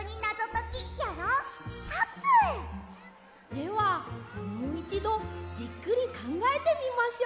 ではもういちどじっくりかんがえてみましょう！